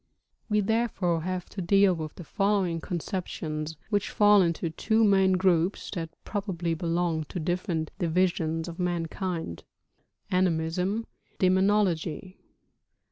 We therefore have to deal with the following conceptions, which fall into two main groups, that probably belong to different divisions of mankind: ( Animism. ( Demonology.